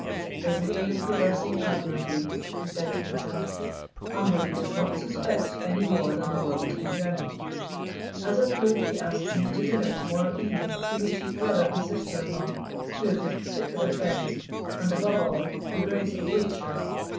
"Everything is progressing admirably," he said to himself. "Amberley does not suspect any more than the world in general. As a proof he asks me to dinner to morrow evening to meet his brother and sister in law, two of his particular friends, and above all Her Grace of Wiltshire.